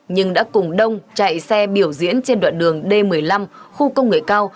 nhưng đã cùng đông chạy xe biểu diễn trên đoạn đường d một mươi năm khu công nghệ cao